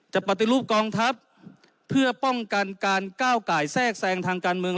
ปฏิรูปกองทัพเพื่อป้องกันการก้าวไก่แทรกแทรงทางการเมือง